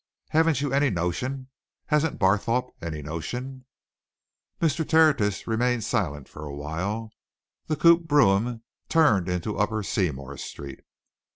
Haven't you any notion hasn't Barthorpe any notion?" Mr. Tertius remained silent for a while. The coupé brougham turned into Upper Seymour Street.